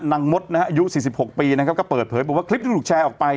มดนะฮะอายุ๔๖ปีนะครับก็เปิดเผยบอกว่าคลิปที่ถูกแชร์ออกไป